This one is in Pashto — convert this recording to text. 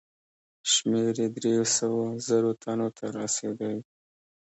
شمېر یې دریو سوو زرو تنو ته رسېدی.